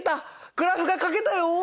グラフがかけたよ！